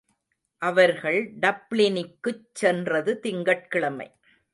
அவர்கள் டப்ளினிக்குச் சென்றது திங்கட்கிழமை.